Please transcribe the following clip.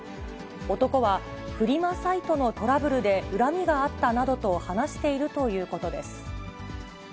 男は、フリマサイトのトラブルで恨みがあったなどと話しているということです。